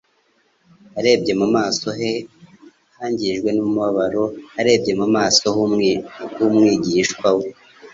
Arebye mu maso he hangijwe n'umubabaro, arebye no mu maso h'umwigishwa we,